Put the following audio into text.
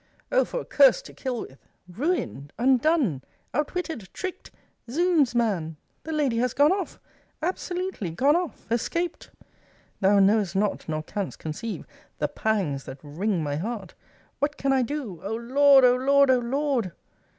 O for a curse to kill with! Ruined! Undone! Outwitted! Tricked! Zounds, man, the lady has gone off! Absolutely gone off! Escaped! Thou knowest not, nor canst conceive, the pangs that wring my heart! What can I do! O Lord, O Lord, O Lord!